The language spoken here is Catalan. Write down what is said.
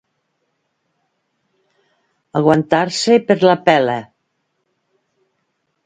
Aguantar-se per la pela.